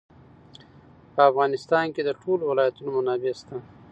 په افغانستان کې د ټولو ولایتونو منابع شته.